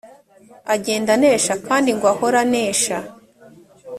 agenda anesha kandi ngo ahore anesha